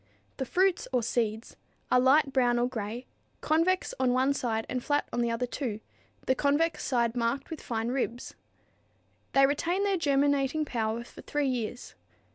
The fruits or "seeds" are light brown or gray, convex on one side and flat on the other two, the convex side marked with fine ribs. They retain their germinating power for three years.